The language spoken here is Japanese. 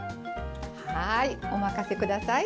はいお任せ下さい。